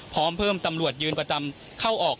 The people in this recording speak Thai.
พร้อมเพิ่มตำรวจยืนประจำเข้าออก